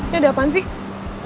dia ada apaan sih